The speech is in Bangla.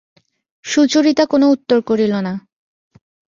সুচরিতা কোনো উত্তর করিল না।